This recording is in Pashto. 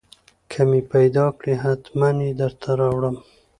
که مې پېدا کړې حتمن يې درته راوړم.